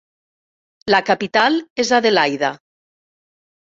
La capital és Adelaida.